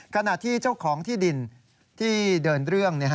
ขณะที่เจ้าของที่ดินที่เดินเรื่อง